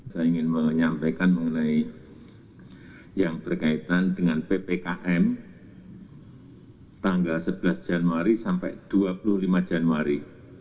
saya ingin menyampaikan mengenai yang berkaitan dengan ppkm tanggal sebelas januari sampai dua puluh lima januari